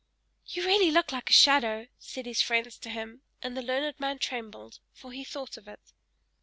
"You really look like a shadow!" said his friends to him; and the learned man trembled, for he thought of it.